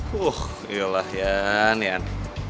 huff ya lah yan